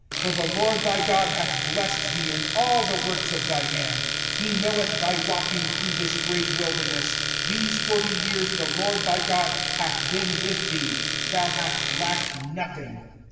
05:002:007 For the LORD thy God hath blessed thee in all the works of thy hand: he knoweth thy walking through this great wilderness: these forty years the LORD thy God hath been with thee; thou hast lacked nothing.